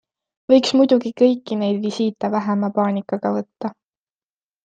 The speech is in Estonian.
Võiks muidugi kõiki neid visiite vähema paanikaga võtta.